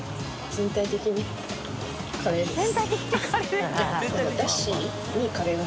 「全体的にカレー」